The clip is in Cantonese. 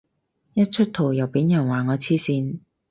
一出圖又俾人話我黐線